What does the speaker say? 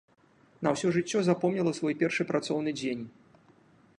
На ўсё жыццё запомніла свой першы працоўны дзень.